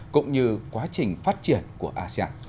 cũng như quá trình phát triển của asean